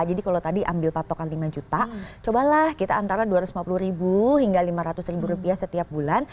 jadi kalau tadi ambil patokan lima juta cobalah kita antara dua ratus lima puluh ribu hingga lima ratus ribu rupiah setiap bulan